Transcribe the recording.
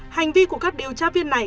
hành vi của các điều tra viên này